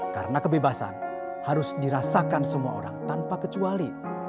karena kebebasan harus dirasakan semua orang tanpa kecuali